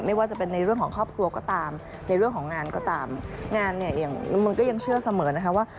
ไม่ว่าจะเป็นในเรื่องของครอบครัวก็ตามในเรื่องของงานก็ตามงานเนี่ยอย่างน้ำมนต์ก็ยังเชื่อเสมอนะคะว่า